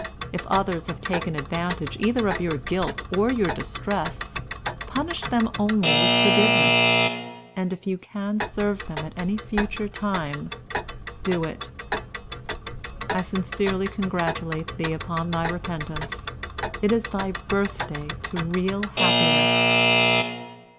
If others have taken advantage either of your guilt or your distress, punish them only with forgiveness; and if you can serve them at any future time, do it. "I sincerely congratulate thee upon thy repentance. It is thy birthday to real happiness."